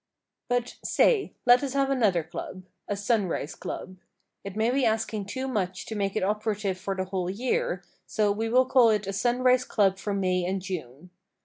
But, say, let us have another club—a Sunrise Club. It may be asking too much to make it operative for the whole year, so we will call it a sunrise club for May and June.